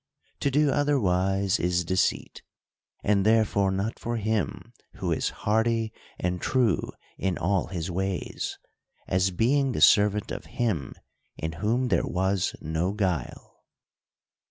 To do other wise, is deceit : and therefore not for him who is hearty and true in all his ways, as being the servant of Him in whom there was no guile.